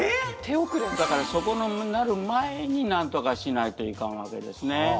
だから、そこになる前になんとかしないといかんわけですね。